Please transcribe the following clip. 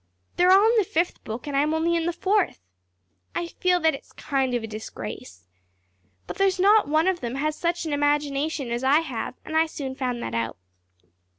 They're all in the fifth book and I'm only in the fourth. I feel that it's kind of a disgrace. But there's not one of them has such an imagination as I have and I soon found that out.